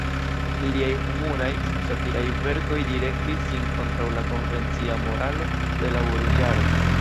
Liaj humuraj, satiraj verkoj direktis sin kontraŭ la konvencia moralo de la burĝaro.